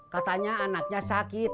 katanya anaknya sakit